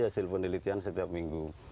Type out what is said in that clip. hasil penelitian setiap minggu